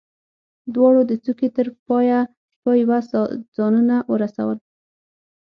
دواړو د کوڅې تر پايه په يوه ساه ځانونه ورسول.